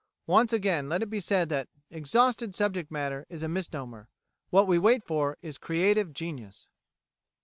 Once again let it be said that "exhausted subject matter" is a misnomer; what we wait for is creative genius.